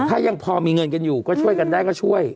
ถ้ายังพอมีเงินกันอยู่ก็ช่วยกันได้ก็ช่วย